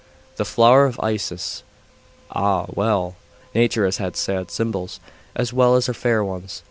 The flower of Isis!.... Ah! well. Nature has her sad symbols, as well as her fair ones.